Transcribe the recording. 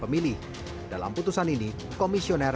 pemilih dalam putusan ini komisioner